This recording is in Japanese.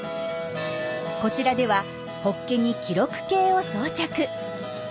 こちらではホッケに記録計を装着。